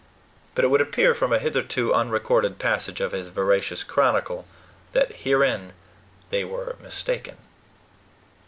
But it would appear, from a hitherto unrecorded passage of this veracious chronicle, that herein they were mistaken.